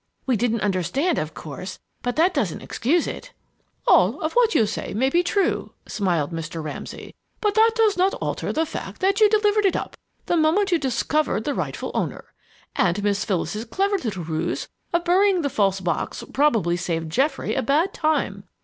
We didn't understand, of course, but that doesn't excuse it!" "All that you say may be true," smiled Mr. Ramsay, "but that does not alter the fact that you delivered it up the moment you discovered the rightful owner. And Miss Phyllis's clever little ruse of burying the false box probably saved Geoffrey a bad time.